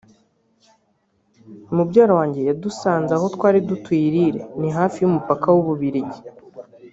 Mubyara wanjye yadusanze aho twari dutuye i Lille ni hafi y’umupaka w’u Bubiligi